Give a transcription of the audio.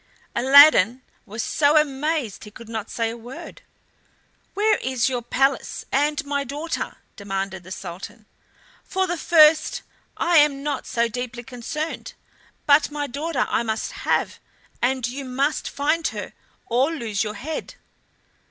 Aladdin was so amazed he could not say a word. "Where is your palace and my daughter?" demanded the Sultan. "For the first I am not so deeply concerned, but my daughter I must have, and you must find her or lose your head."